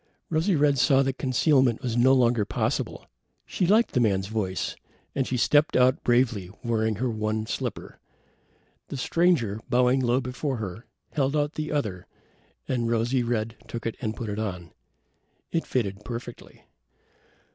Rosy red saw that concealment was no longer possible. She liked the man's voice, and she stepped out bravely, wearing her one slipper. The stranger, bowing low before her, held out the other, and Rosy red took it and put it on. It fitted perfectly.